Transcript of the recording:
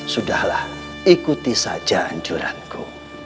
sudahlah ikuti saja anjuranku